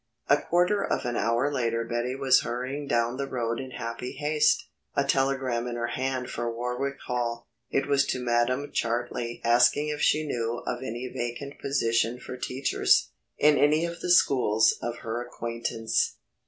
A quarter of an hour later Betty was hurrying down the road in happy haste, a telegram in her hand for Warwick Hall. It was to Madam Chartley asking if she knew of any vacant position for teachers, in any of the schools of her acquaintance.